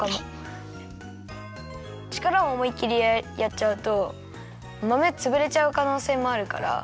ちからをおもいっきりやっちゃうとまめつぶれちゃうかのうせいもあるから。